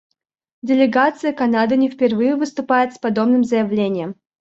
Делегация Канады не впервые выступает с подобным заявлением.